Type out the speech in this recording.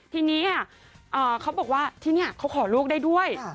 ทีนี้เขาบอกว่าที่นี่เขาขอลูกได้ด้วย